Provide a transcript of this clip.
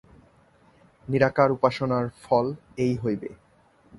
নিরাকার উপাসনার ফল এই হইবে।